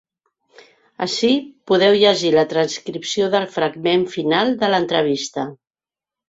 Ací podeu llegir la transcripció del fragment final de l’entrevista.